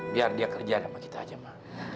biar dia kerjaan sama kita aja ma